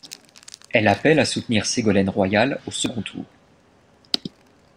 Elle appelle à soutenir Ségolène Royal au second tour.